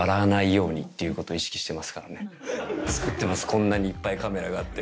こんなにいっぱいカメラがあって。